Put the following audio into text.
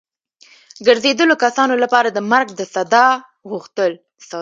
ګرځېدلو کسانو لپاره د مرګ د سزا غوښتل.